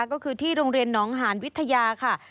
ก็คือที่โรงเรียนน้องหานวิทยาค่ะ